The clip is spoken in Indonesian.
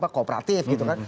kooperatif gitu kan